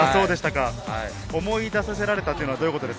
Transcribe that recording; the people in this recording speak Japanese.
思い出させられた？